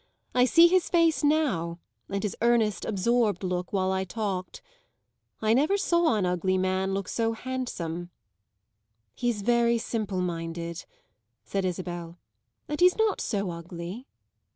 I see his face now, and his earnest absorbed look while I talked. I never saw an ugly man look so handsome." "He's very simple minded," said Isabel. "And he's not so ugly."